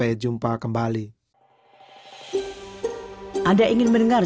dan kita juga mencari penjualan media online yang menjamur